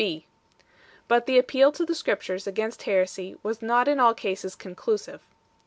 B. But the appeal to the Scriptures against heresy was not in all cases conclusive.